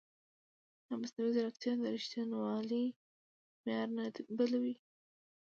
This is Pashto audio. ایا مصنوعي ځیرکتیا د ریښتینولۍ معیار نه بدلوي؟